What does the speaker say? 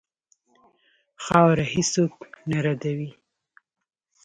خاوره هېڅ څوک نه ردوي.